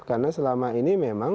karena selama ini memang